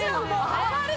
上がる！